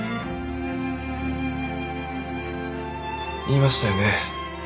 言いましたよね。